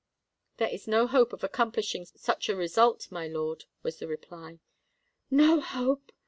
"There is no hope of accomplishing such a result, my lord," was the reply. "No hope!"